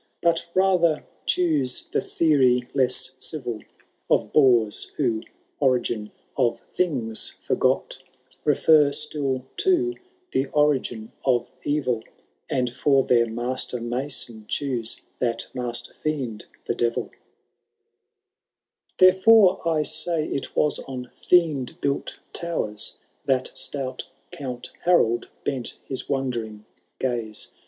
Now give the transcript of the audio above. But rather choose the theory less civil Of boors, who, origin of things foigot, Refer still to the origin of eril. And for their master mason choose that master fiend the Devil. 184 HAROLD THS DAUKTL18S. CotUo VI. II. Therefore, I say, it was on fiend built toweiB That stout Count Harold bent his wondering gaze.